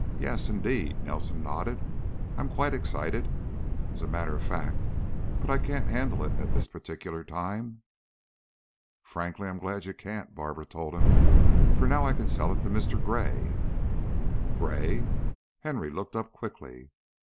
Yes, indeed." Nelson nodded. "I'm quite excited, as a matter of fact, but I can't handle it at this particular time." "Frankly, I'm glad you can't," Barbara told him, "for now I can sell it to Mr. Gray." "Gray?" Henry looked up quickly.